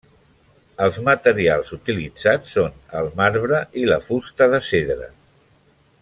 Els materials utilitzats són el marbre i la fusta de cedre.